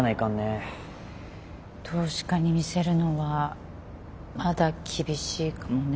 投資家に見せるのはまだ厳しいかもね。